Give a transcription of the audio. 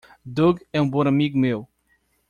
Doug é um bom amigo meu.